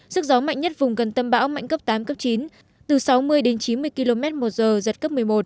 sức gió mạnh nhất vùng gần tâm bão mạnh cấp tám cấp chín từ sáu mươi đến chín mươi km một giờ giật cấp một mươi một